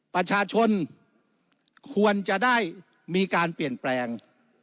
ประชาชนควรจะได้มีการเปลี่ยนแปลง